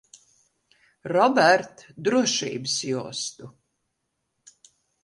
Robert, drošības jostu.